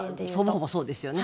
ほぼそうですよね。